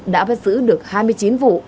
đã bắt giữ được hai mươi chín vụ